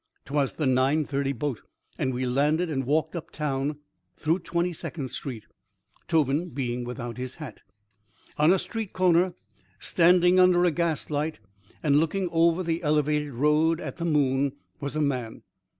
'Twas the nine thirty boat, and we landed and walked up town through Twenty second Street, Tobin being without his hat. On a street corner, standing under a gas light and looking over the elevated road at the moon, was a man.